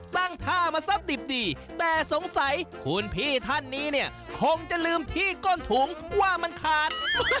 ตั้งท่ามาซับดิบดีแต่สงสัยคุณพี่ท่านนี้เนี่ยคงจะลืมที่ก้นถุงว่ามันขาด